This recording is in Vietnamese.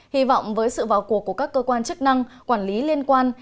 hy vọng với sự vào cuộc của các cơ quan chức năng quản lý liên quan